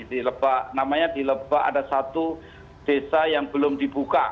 di lebak namanya di lebak ada satu desa yang belum dibuka